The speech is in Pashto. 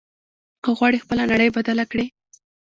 که غواړې خپله نړۍ بدله کړې.